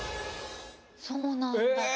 そうなんだええ